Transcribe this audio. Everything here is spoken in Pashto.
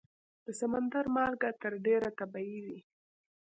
د سمندر مالګه تر ډېره طبیعي وي.